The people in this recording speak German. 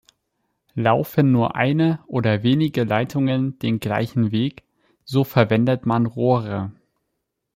Laufen nur eine oder wenige Leitungen den gleichen Weg, so verwendet man Rohre.